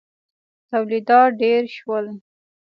تولیدات ډېر شول.